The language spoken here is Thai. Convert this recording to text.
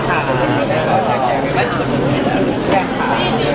ขอบคุณค่ะ